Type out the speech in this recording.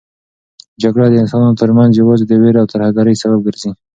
جګړه د انسانانو ترمنځ یوازې د وېرې او ترهګرۍ سبب ګرځي.